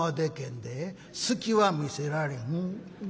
隙は見せられん。